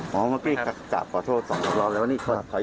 เพราะว่าผมหลงทางแล้วก็ลูกไม่สบายผมก็เลยรีบกลับ